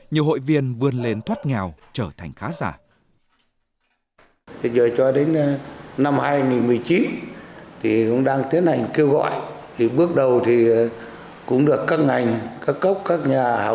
nhiều hội viên vươn lên thoát nghèo trở thành khách